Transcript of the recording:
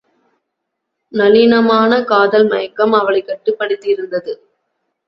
நளினமான காதல் மயக்கம் அவளைக் கட்டுப்படுத்தி யிருந்தது.